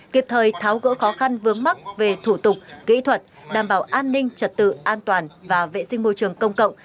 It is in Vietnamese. kịp thời tháo gỡ khó khăn vướng mắt về thủ tục kỹ thuật đảm bảo an ninh trật tự an toàn và vệ sinh môi trường công cộng